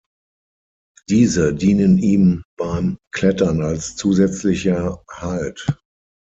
Diese dienen ihm beim Klettern als zusätzlicher Halt.